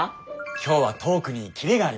今日はトークにキレがありましたね。